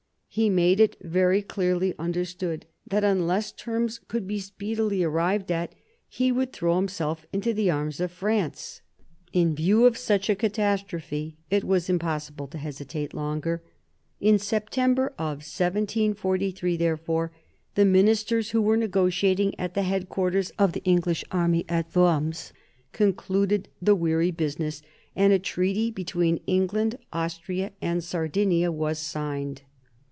He made it very clearly understood that unless terms could be speedily arrived at, he would throw himself into the arms of France. In view of such a catastrophe, it was impossible to hesitate longer. In September 1743, therefore, the ministers who were negotiating at the head quarters of the English army at Worms concluded the weary business, and a treaty between England, Austria, and Sardinia was signed.